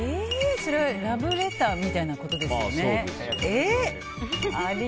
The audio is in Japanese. それはラブレターみたいなことですよね。